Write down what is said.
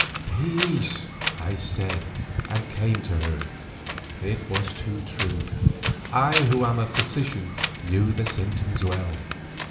"Peace," I said and came to her. It was too true, I who am a physician knew the symptoms well.